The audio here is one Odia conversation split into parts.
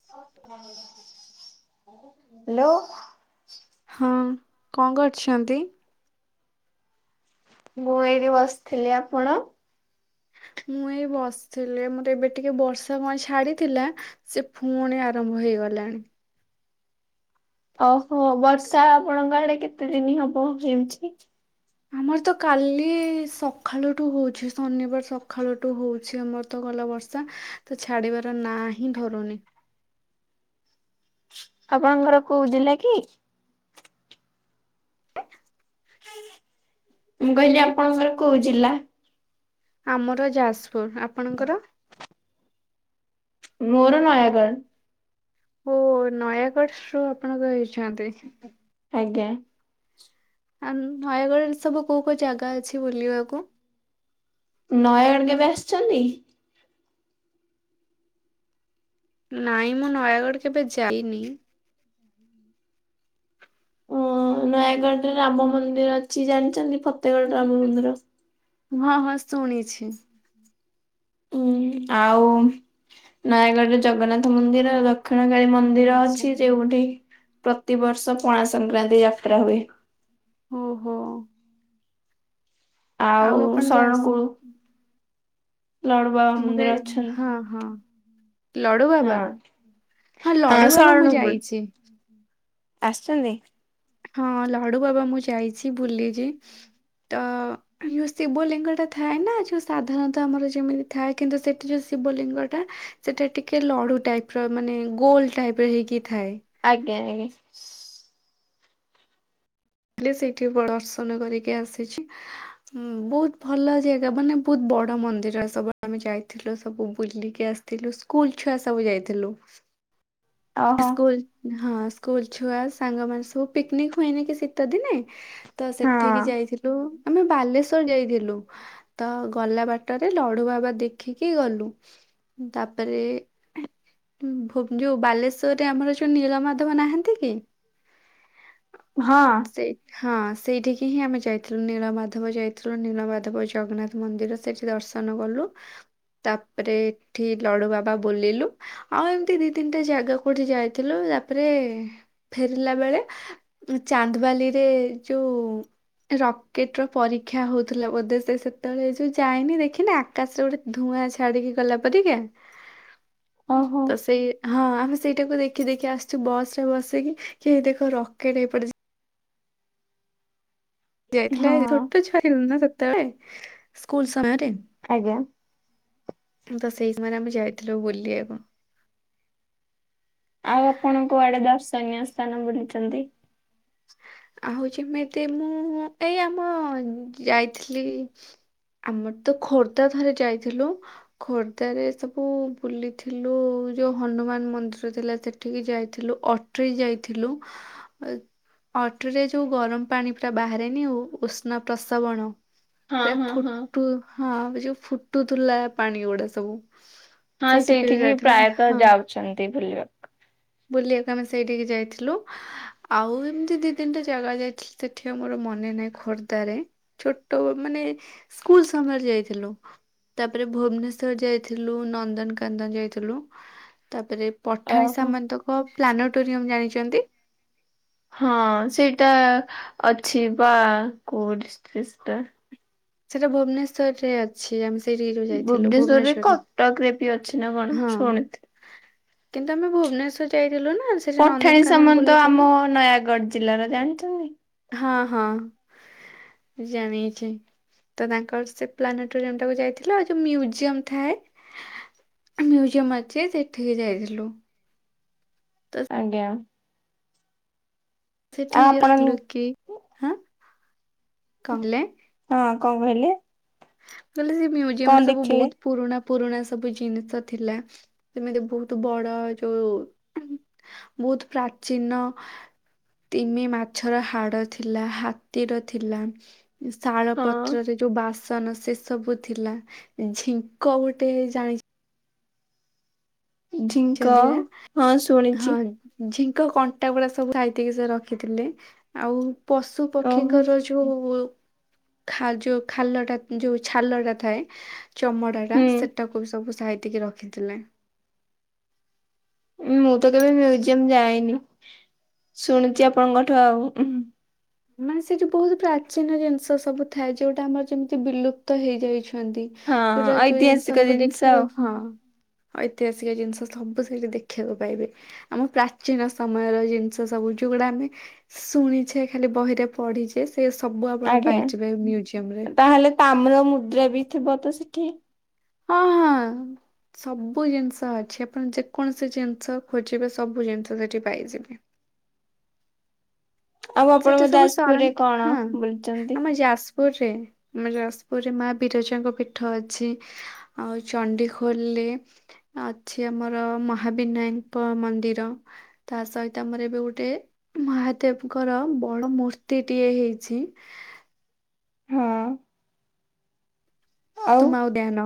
ହ୍ୟାଲୋ। ହଁ କଣ କରୁଛନ୍ତି? ମୁଁ ଏଇଠି ବସିଥିଲି। ଆପଣ? ମୁଁ ଏଇ ବସିଥିଲି ମୋର ଏବେ ଟିକେ ବର୍ଷା କଣ ଛାଡିଥିଲା। ସେ ପୁଣି ଆରମ୍ଭ ହେଇଗଲାଣି। ଓହୋ ବର୍ଷା ଆପଣଙ୍କ ଆଡେ କେତେ ଦିନ ହବ ହେଉଛି? ଆମର ତ କାଲି ସକାଳୁଠୁ ହଉଛି ଶନିବାର ସକାଳୁଠୁ ହଉଛି ଆମର। ଗଲା ବର୍ଷା ତ ଛାଡିବାର ନା ହିଁ ଧରୁନି। ଆପଣଙ୍କ ଘର କୋଉ ଜିଲ୍ଲା କି? ମୁଁ କହିଲି ଆପଣଙ୍କର କୋଉ ଜିଲ୍ଲା। ଆମର ଯାଜ୍ପୁର୍, ଆପଣଙ୍କର। ମୋର ନୟାଗଡ୍। ଓ ନୟାଗଡ଼ ରୁ ଆପଣ ଇଛନ୍ତି। ଆଜ୍ଞା। ଆ ନୟାଗଡ଼ରେ ସବୁ କୋଉ କୋଉ ଜାଗା ଅଛି ବୁଲିବାକୁ। ନୟାଗଡ୍ କେବେ ଆସିଟନ୍ତି। ନାଇଁ ମୁଁ ନୟାଗଡ଼ କେବେ ଯାଇନି। ଓ ନୟାଗଡରେ ରାମ ମନ୍ଦିର ଅଛି ଜାଣିଚନ୍ତି ଫତେଗଡ ରାମ ମନ୍ଦିର। ହଁ ହଁ ଶୁଣିଛି। ଉ ଆଉ ନୟାଗଡରେ ଜଗନ୍ନାଥ ମନ୍ଦିର ଲ ଦକ୍ଷିଣକାଳୀ ମନ୍ଦିର ଆଚ୍ଛା ଅଛି ଯୋଉଠି ପ୍ରତିବର୍ଷ ପଣା ସଂକ୍ରାନ୍ତି ଯାତ୍ରା ହୁଏ। ଓହୋ! ଆଉ ଆପଣ ଯା ଶରଣକୁଳୁ। ଲଡୁ ବାବା ମୁଁ ମନ୍ଦିର କେବ୍ ଅଛନ୍ତି। ହଁ, ହଁ। ଲଡୁବାବା ହଁ ହଁ, ହଁ ଲଡୁବାବା ମୁଁ ଯାଇଛି। ଆସଚନ୍ତି। ହଁ ଲଡୁ ବାବା ମୁଁ ଯାଇଛି ବୁଲିଛି ତ ଯୋଉ ଶିବ ଲିଙ୍ଗ ଟା ଥାଏ ନା ଯୋଉ ସାଧାରଣତଃ ଆମର ଯେମିତି ଥାଏ କିନ୍ତୁ ସେଠି ଯୋଉ ଶିବ ଲିଙ୍ଗ ଟା ସେଇଟା ଟିକେ ଲଡ଼ୁ ଟାଇପ୍ ର ମାନେ ଗୋଲା ଟାଇପ୍ ର ହେଇକି ଥାଏ। ଆଜ୍ଞା ଆଜ୍ଞା। ହେଲେ ସେଠି ବଡ଼ ଦର୍ଶନ କରିକି ଆସିଛି। ବୋହୁତ୍ ଭଲ ଜାଗା ମାନେ ବହୁତ ବଡ ମନ୍ଦିର ସବୁ ଆମେ ଯାଇଥିଲୁ ସବୁ ବୁଲିକି ଆସ୍ ଥିଲୁ ସ୍କୁଲ୍ ଛୁଆ ସବୁ ଯାଇଥିଲୁ। ଅହୋ! ସ୍କୁଲ୍ ହଁ ସ୍କୁଲ୍ ଛୁଆ ସାଙ୍ଗ ମାନେ ସବୁ ପିକ୍ନିକ୍ ହୁଏନି କି ଶୀତ ଦିନେ। ତ ସେଠିକି ହଁ ଯାଇଥିଲୁ ଆମେ ବାଲେଶ୍ଵର୍ ଯାଇଥିଲୁ। ତ ଗଲା ବାଟରେ ଲଡୁ ବାବା ଦେଖିକି ଗଲୁ। ତାପରେ ଭୁବ୍ ଯଉ ବାଲେ ଶୋର୍ରେ ଆମର ଯୋଉ ନୀଳ ମାଧବ ନାହାନ୍ତି କି। ହଁ। ସେଇ ହଁ ସେଇଠିକି ହିଁ ଆମେ ଯାଇଥିଲୁ ନୀଳମାଧବ ଯାଇଥିଲୁ, ନୀଳମାଧବ ଜଗନ୍ନାଥ ମନ୍ଦିର। ସେଠି ଦର୍ଶନ କଲୁ। ତାପ୍ରେ ଏଠି ଲଡୁ ବାବା ବୁଲିଲୁ ଆଉ ଏମିତି ଦି ତିନିଟା ଜାଗା କୋଉଠି ଯାଇଥିଲୁ ତାପ୍ରେ ଫେରିଲା ବେଳେ ଚାନ୍ଦ୍ବାଲି ରେ ଯୋଉ ରକେଟ୍ ର ପରୀକ୍ଷା ହଉଥିଲା ବୋଧେ ସେ ସେତେବେଳେ ଯୋଉ ଯାଇନି ଦେଖିନା। ଆକାଶ୍ରେ ଧୂଆଁ ଛାଡିକି ଗଲା ପରିକା ଓହୋ ତ ସେଇ ହଁ ଆମେ ସେଇଟାକୁ ଦେଖି ଦେଖି ଆସ୍ଛୁ ବସ୍ ରେ ବସିକି ହେଇ ଦେଖ ରକେଟ୍ ଏଇ ପଟେ ଯା ଯାଇଥିଲା ହଁ ଛୋଟ ଛୁଆ ଥିଲୁ ନା ସେତେବେଳେ ସ୍କୁଲ୍ ସମୟରେ। ଆଜ୍ଞା। ତ ସେଇ ସମୟ ରେ ଆମେ ଯାଇଥିଲୁ ବୁଲିବାକୁ। ଆଉ ଆପଣ କୁଆଡେ ଦର୍ଶନୀୟ ସ୍ଥାନ ବୁଲିଚନ୍ତି। ଆଉ ଯେମିତି ମୁଁ ଏଇ ଆମ ଯାଇଥିଲି। ଆମର୍ତ ଖୋର୍ଦ୍ଧା ଥରେ ଯାଇଥିଲୁ। ଖୋର୍ଦ୍ଧାରେ ସବୁ ବୁଲିଥିଲୁ ଯୋଉ ହନୁମାନ୍ ମନ୍ଦିର ଥିଲା ସେ ଠିକି ଯାଇଥିଲୁ ଅଟ୍ରି ଯାଇଥିଲୁ। ଅଟ୍ରି ରେ ଯୋଉ ଗରମ୍ ପାଣି ପୁରା ବାହାରେନି ଉଷ୍ଣ ପ୍ରସାବଣ। ହଁ ପୁରା ହଁ ହଁ ଫୁଟୁ ହଁ ସେ ଯୋଉ ଫୁଟୁଥିଲା ପାଣି ଗୁଡା ସବୁ। ହଁ ସେଇଠିକି ପ୍ରାୟତଃ ଯାଉଛନ୍ତି ବୁଲିବାକୁ। ବୁଲିଆକୁ ଆମେ ସେଇଠିକି ଯାଇଥିଲୁ ହା ହା ଆଉ ଏମ୍‌ତି ଦି ତିନ୍‌ଟା ଜାଗା ଯାଇଥିଲି ସେଠି ଆଉ ମୋର ମନେ ନାଇଁ ଖୋର୍ଦାରେ ଛୋଟ ମାନେ ସ୍କୁଲ୍ ସମୟରେ ଯାଇଥିଲୁ ତାପ୍‌ରେ ଭୁବ୍‌ନେଶ୍ୱର୍ ଯାଇଥିଲୁ ନନ୍ଦନ୍‌କାନ୍ଦନ୍ ଯାଇଥିଲୁ ଆ ତାପ୍‌ରେ ପଠାଣି ଓହୋ ସାମନ୍ତକ ପ୍ଲାନୋଟୋରିୟମ୍ ଜାଣିଚନ୍ତି ହଁ ସେଇଟା ଅଛି ବା କଉ ଡିସ୍ ଟିସ୍ ଟା ସେଟା ଭୁବ୍‌ନେଶ୍ୱର୍‌ରେ ଅଛି ଆମେ ସେଇଠିଗି ଜଉ ଯାଇଥିଲୁ ଭୁବ୍‌ଣେଶ୍ୱର୍‌ରେ ଟକ୍‌ରେ ପି ଅଛି ନାଁ କଣ ଛୁଣିଥିଲି କିନ୍ତୁ ଆମେ ଭୁବ୍‌ନେଶ୍ୱର୍‌ ଯାଇଥିଲୁ ନାଁ ସ୍ ପଠାଣି ସାମନ୍ତ ଆମ ନୟାଗଡ୍ ଜିଲ୍ଲାର ଜାଣିଚନ୍ତି ହଁ ହଁ ଜାଣିଚି ତ ତାଙ୍କର୍ ସେ ପ୍ଲାନେଟୋରିୟମ୍ ଟାକୁ ଯାଇଥିଲ ଯଉ ମ୍ୟୁଜିୟମ୍ ଥାଏ ମ୍ୟୁଜିୟମ୍ ଅଛି ସେଇଠିକି ଯାଇଥିଲୁ ତ ଆଜ୍ଞା ସେଠି ଆଉ ଆପଣ ଅତ୍‌ଲୁ କି ହାଁ କଙ୍ଗ୍‌ଲେ ହଁ କଣ୍ ଗହିଲେ ବେଲେ ସେ ମ୍ୟୁଜିୟମ୍‌ରେ ସବୁ ବହୁତ୍ ପୁରୁଣା ପୁରୁଣା ସବୁ ଜିନିଷ ଥିଲା ଏମିତି ବହୁତ୍ ବଡ ଜୁ ବହୁତ୍ ପ୍ରାଚୀନ ତିମି ମାଛର ହାଡ ଥିଲା ହାତୀର ଥିଲାଁ ଇସ୍ ଶାଳ ହଁ ପତ୍ରରେ ଯୋଉ ବାସ୍ ସନ ସେ ସବୁ ଥିଲା ଝିଙ୍କ ଗୋଟେ ଜାଣିଚ୍ ଝିଙ୍କ ହଁ ଶୁଣିଛି ହଁ ଝିଙ୍କ କଣ୍ଟା ଗୁଡା ସବୁ ସାଇତିକି ସେ ରଖିଥିଲେ ଆଉ ପଶୁ ଓହୋ ପକ୍ଷୀଙ୍କର ଜୁ ଖା ଯୋ ଖାଲ ଟା ଯୋଉ ଛାଲ ଡା ଥାଏ ଚମଡ଼ାଡା ହୁଁ। ସେଟାକୁ ବି ସବୁ ସାଇତିକି ରଖିଥିଲେଁ ମୁଁ ତ କେବେ ମ୍ୟୁଜିୟମ୍ ଯାଇନି ଶୁଣୁଚି ଆପଣଙ୍କଠୁ ଆଉ ମାନେ ସେ ବହୁତ୍ ପ୍ରାଚୀନ ଜିନ୍‌ଷ ସବୁ ଥାଏ ଜେଉଟା ଆମର୍ ଯେମ୍‌ତି ବିଲୁପ୍ତ ହେଇଯାଇଛନ୍ତି ହଁ ଯୋଉଟା ଯଉ ଐତିହାସିକ ୟଙ୍ଗ୍‌ସମ୍‌କୁ ଜିନିଷ ଆଉ। ଦେଖିବାକୁ ହଁ ଐତିହାସିକ ଜିନ୍‌ଷ ସବୁ ସେଇଠି ଦେଖିବାକୁ ପାଇବେ ଆମ ପ୍ରାଚୀନ ସମୟର ଜିନ୍‌ଷ ସବୁ ଯଉଗୁଡା ଆମେ ଶୁଣିଛେ ଖାଲି ବହିରେ ପଢିଛେ ସେ ସବୁ ଆପଣ ଆଜ୍ଞା ପାଇଯିବେ ମ୍ୟୁଜିୟମ୍‌ରେ ତାହେଲେ ତାମ୍ର ମୁଦ୍ରା ବି ଥିବ ତ ସେଠି ହଁ ହାଁ ସବୁ ଜିନ୍‌ଷ ଅଛି ଆପଣ ଯେକୌଣସି ଜିନ୍‌ଷ ଖୋଜିବେ ସବୁ ଜିନ୍‌ଷ ସେଠି ପାଇଯିବେ ଆଉ ସେଠୀ ଆପଣଙ୍କ ସବୁ ଯାଜପୁରରେ ସରଖିଁ କଣ ହଁ ବୁଲିଛନ୍ତି? ଆମ ଯାଜପୁର୍‌ରେ ଆମ ଜାସ୍‌ପୁର୍‌ରେ ମା ବିରଜାଙ୍କ ପୀଠ ଅଛି ଆଉ ଚଣ୍ଡି ଖୋଲେ ଅଛି ଆମର ମହାବିନାଇଁଙ୍କ ମନ୍ଦିର ତା ସହିତ ଆମର ଏବେ ଗୋଟେ ମହାଦେବ୍ କର ବଡ ମୂର୍ତ୍ତିଟିଏ ହେଇଛି ହଁ ଆଉ ତୁମା ଉଦ୍ୟାନଁ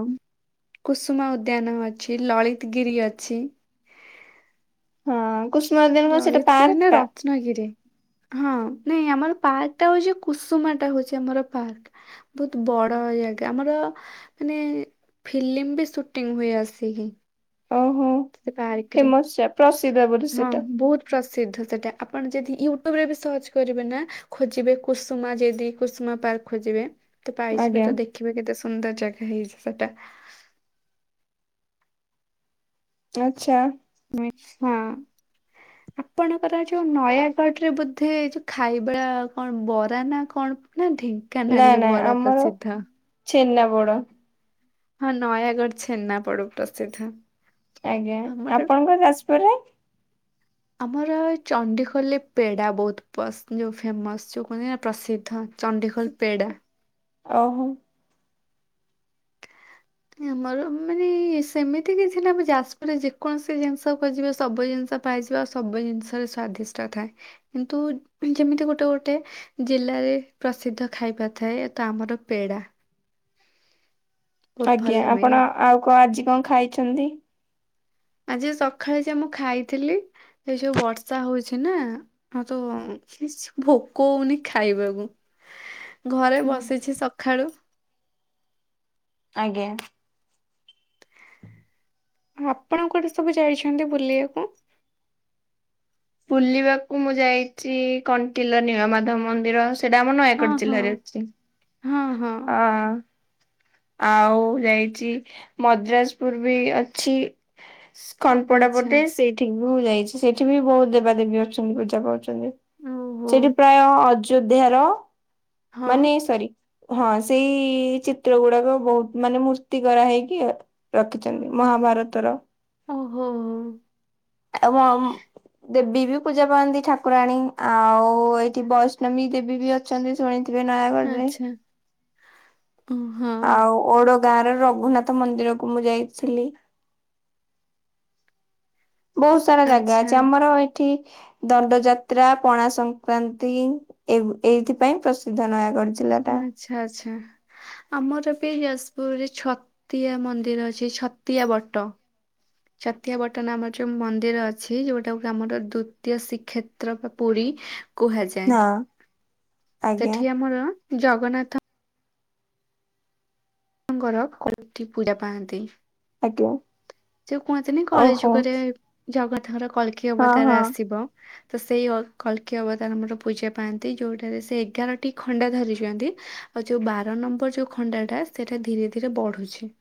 କୁସୁମା ଉଦ୍ୟାନ ଅଛି ଲଳିତ୍‌ଗିରି ଅଛି ହଁ କୁସୁମା ଉଦ୍ୟାନ ବା ସେଟା ପାର୍କ୍ ଟା ଚ୍ନଗିରି ହଁ ନାଇଁ ଆମର ପାର୍କ୍ ଟା ହୋଉଛି କୁସୁମା ଟା ହୋଉଛି ଆମର ପାର୍କ୍ ବହୁତ୍ ବଡ ଜାଗା ଆମର ମାନେ ଫିଲିମ୍‌ ବି ସୁଟିଂହୁଏ ଆସିଗି ଓହୋ ଫେମସ୍ୟା ପ୍ରସିଦ୍ଧ ବୋଲି ହଁ ବହୁତ୍ ପ୍ରସିଦ୍ଧ ସେଟା ଆପଣ ଯଦି ୟୁଟ୍ୟୁବ୍‌ରେ ବି ସର୍ଚ୍ଚ କରିବେ ନାଁ ଖୋଜିବେ କୁସୁମା ଯିଦି କୁସୁମା ପାର୍କ୍ ଖୋଜିବେ ତ ପାଇଯିବେ ଆଜ୍ଞା ତ ଦେଖିବେ କେତେ ସୁନ୍ଦର୍ ଜାଗା ହେଇସି ସେଟା ପଛା ଆଛା। ଆପଣଙ୍କର ଯୋଉ ନୟାଗଡ଼ରେ ବୋଧେ ଯୋଉ ଖାଇବା କଣ ବରା ନା କଣ ନା ଢେ ଙ୍କାନାଳରେ ବରା ପ୍ରସିଦ୍ଧ। ଛେନାପୋଡ଼। ହଁ ନୟାଗଡ଼ ଛେନାପୋଡ଼ ପ୍ରସିଦ୍ଧ। ଆଜ୍ଞା। ଆମର ଆପଣଙ୍କ ଯାଜପୁରରେ? ଆମର ଚଣ୍ଡିଖୋଲରେ ପେଡ଼ା ବହୁତ ଯେଉଁ ଫେମସ୍ ଯେଉଁ କୁହନ୍ତି ନା ପ୍ରସିଦ୍ଧ। ଚଣ୍ଡିଖୋଲ ପେଡ଼ା। ଓହୋ। ଆମର ମାନେ ସେମିତି କିଛି ନା ଯାଜପୁରରେ ଯେକୌଣସି ଜିନିଷ ଖୋଜିବ ସବୁ ଜିନିଷ ପାଇଯିବା ସବୁ ଜିନିଷରେ ସ୍ଵାଦିଷ୍ଟା ଥାଏ। କିନ୍ତୁ ଯେମିତି ଗୋଟେ ଗୋଟେ ଜିଲ୍ଲାରେ ପ୍ରସିଦ୍ଧ ଖାଇବା ଥାଏ। ତ ଆମର ପେଡା। ବହୁତ ଆଜ୍ଞା। ଭଲ ମିଳେ। ଆପଣ ଆଉ କଣ ଆଜି କଣ ଖାଇଛନ୍ତି? ଆଜି ସକାଳେ ଯା ମୁଁ ଖାଇଥିଲି ଏ ଯୋଉ ବର୍ଷା ହଉଛି ନା। ହଁ ତ କିଛି ଭୋକ ହୋଉନି ଖାଇବାକୁ। ଘରେ ବସିଛି ସକାଳୁ ଆଜ୍ଞା। ଆପଣ କୁଆଡେ ସବୁ ଯାଇଛନ୍ତି ବୁଲିବାକୁ? ବୁଲିବାକୁ ମୁଁ ଯାଇଛି କଣ୍ଟିଲୋ ନିଳମାଧବ ମନ୍ଦିର। ସେଇଟା ଆମ ହଁ ନୟାଗଡ଼ ହଁ ଜିଲ୍ଲାରେ ଅଛି। ହଁ। ଆଉ ଯାଇଛି ମଦ୍ରାସପୁର ବି ଅଛି। ଖନପଡା ଆଚ୍ଛା ପଟେ ସେଇଠ ଠିକ ବି ହ ଯାଇଛି ସେଠି ବି ବହୁତ ଦେବାଦେବୀ ଅଛନ୍ତି ପୂଜା ପାଉଛନ୍ତି। ଓହୋ ସେଠି ପ୍ରାୟ ଅଯୋଧ୍ୟାର ହଁ। ମାନେ ସରି ହଁ ସେଇ ଚିତ୍ର ଚିତ୍ର ଗୁଡାକ ବହୁତ ମାନେ ମୂର୍ତ୍ତି କରା ହେଇକି ରଖିଛନ୍ତି ମହାଭାରତର। ଓହୋ। ଏବଂ ଦେବୀ ବି ପୂଜା ପାଆନ୍ତି ଠାକୁରାଣୀ। ଆଉ ଏଇଠି ବୈଷ୍ଣବୀ ଦେବୀ ବି ଅ ଅଛନ୍ତି ଶୁଣିଥିବେ ନୟାଗଡ ରେ। ଓହୋ। ଆଉ ଓଡ ଗାଁ ର ରଘୁନାଥ ମନ୍ଦିରକୁ ମୁଁ ଯାଇଥିଲି। ବହୁତ ସାରା ଜାଗା ଆଚ୍ଛା, ଅଛି ଆମର ଏଠି। ଦଣ୍ଡ ଯାତ୍ରା ପଣା ସଂକ୍ରାନ୍ତି ଏବ୍ ଏଇଥିପାଇଁ ପ୍ରସିଦ୍ଧ ନୟାଗଡ଼। ଜିଲାଟା। ଆଛା ଆଚ୍ଛା। ଆମର ବି ଯାଜପୁରରେ ଛତିଆ ମନ୍ଦିର ଅଛି ଛତିଆ ବଟ। ଚାତିଆବଟ ଆମର ଯୋଉ ମନ୍ଦିର ଅଛି ଯୋଉଟାକୁ ଆମର ଦ୍ଵିତୀୟ ଶ୍ରୀକ୍ଷେତ ଚ୍ର ବା ପୁରୀ କୁହାଯାଏ। ହଁ ଆଜ୍ଞା ସେଠି ଆମର ଜଗନ୍ନାଥ ଙ୍କର କୋଟି ପୂଜା ପାଆନ୍ତି। ଆଜ୍ଞା। ଯଉ କୁହନ୍ତିନି କଳି ଓହୋ ଯୁଗରେ ଜଗନ୍ନାଥଙ୍କର କଳକି ହଁ ଅବତାର ହଁ ଆସିବ। ତ ସେଇ ଅ କଳକୀ ଅବତାର ଆମର ପୂଜା ପାଆନ୍ତି ଯୋଉଠାରେ ସେ ଏଗାରଟି ଖଣ୍ଡା ଧରିଛନ୍ତି ଆଉ ଯୋଉ ବାର ନମ୍ବର ଯୋଉ ଖଣ୍ଡାଟା ସେଇଟା ଧୀରେ ଧୀରେ ବଢୁଛି।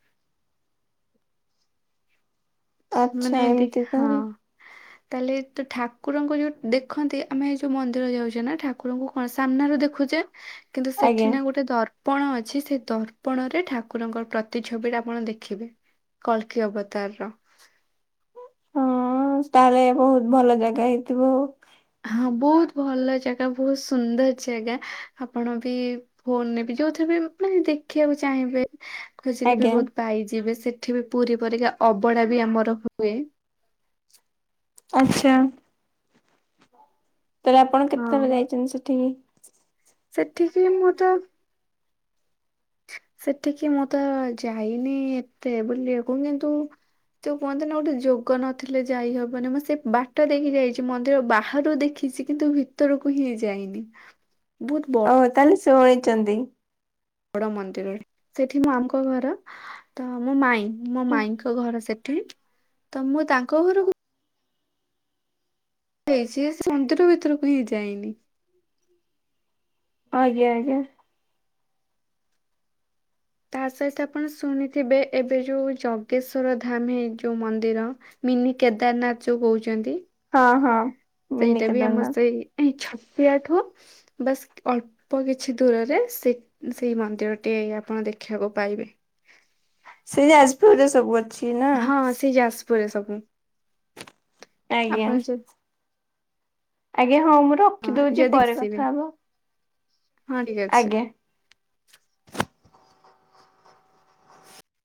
ଆଚ୍ଛା ମାନେ ଏନ୍ତି ଏମିତି ହଁ। ତାହେଲେ ତାହେଲେ ତ ଠାକୁରଙ୍କ ଯୋଉ ଦେଖନ୍ତି ଆମେ ଯୋଉ ମନ୍ଦିର ଯାଉଛେ ନା ଠାକୁରଙ୍କୁ କଣ ସାମ୍ନରେ ଦେଖୁଛେ କିନ୍ତୁ ଆଜ୍ଞା ସେଠି ନା ଗୋଟେ ଦର ପଣ ଅଛି ସେ ଦର୍ପଣ ରେ ଠାକୁରଙ୍କ ପ୍ରତି ଛବିଟା ଆପଣ ଦେଖିବେ। କଳ୍କୀ ଅବତାର୍ ର। ହଁ- ତାହେଲେ ବହୁତ୍ ଭଲ ଜାଗା ହେଇଥିବ ଆଉ। ହଁ ବହୁତ୍ ଭଲ ଜାଗା ବହୁତ୍ ସୁନ୍ଦର ଜାଗା ଆପଣ ବି ଫୋନ୍ ରେ ବି ଯଉଥିରେ ବି ମାନେ ଦେଖିବାକୁ ଚାହିଁବେ ଖୋଜିଲେ ବି ଆଜ୍ଞା ବହୁତ ପାଇଯିବେ ସେଠି ବି ପୁରୀ ପରିକା ଅବଡା ବି ଆମର ହୁଏ। ଆଛା। ତାହେଲେ ଆପଣ କେତେଥର ହଁ ଯାଇଚନ୍ତି ସେଠିକି? ସେଠିକି ମୁଁ ତ ସେଠିକି ମୁଁ ତ ଯାଇନି ଏତେ ବୁଲିବାକୁ କିନ୍ତୁ ଯଉ କୁହନ୍ତିନି ଗୋଟେ ଯୋଗ ନଥିଲେ ଯାଇହବନି ମୁଁ ସେ ବାଟ ଦେଖି ଯାଇଚି ମନ୍ଦିର ବାହାରୁ ଦେଖିଚି କିନ୍ତୁ ଭିତରକୁ ହିଁ ଯାଇନି ବହୁତ୍ ବ ଓ- ତାହେଲେ ଶୁଣିଚନ୍ତି। ବଡ ମନ୍ଦିରରେ ସେଠି ମୋ ମାମୁଁଙ୍କ ଘର ତ ମୋ ମାଇଁ ମୋ ମାଇଁଙ୍କ ଘର ସେଠି ତ ମୁଁ ତାଙ୍କ ଘରୁକୁ [unintelligible] ମନ୍ଦିର ଭିତରକୁ ହିଁ ଯାଇନି। ଆଜ୍ଞା -ଆଜ୍ଞା। ତା ସହିତ ଆପଣ ଶୁଣିଥିବେ ଏବେ ଯଉ ଜଗେଶ୍ଵର ଧାମୀ ଯଉ ମନ୍ଦିର ମିନି କେଦାରନାଥ୍ ଯଉ କହୁଚନ୍ତି। ହଁ- ହଁ। ମିନି ସେଇଟା ବି ଆମର କେଦାରନାଥ ସେଇ ଏଇ ଛତୀଆ ଠୁ ବାସ୍ ଅଳ୍ପ୍ ଅଳ୍ପ କିଛି ଦୂରରେ ସେ-ସେଇ ମନ୍ଦିରଟି ଆପଣ ଦେଖିବାକୁ ପାଇବେ। ସେଇ ଯାଜପୁରରେ ସବୁ ଅଛି? ନା? ହଁ ସେଇ ଯାଜପୁରରେ ସବୁ। ଆଜ୍ଞା। ଆପଣ ଯଦି ଆଜ୍ଞା ହଁ ମୁଁ ହଁ ରଖିଦଉଚି ଯଦି ପରେ ଆସିବେ କଥା ହବା। ହଁ ଠିକ୍ ଅଛି। ଆଜ୍ଞା।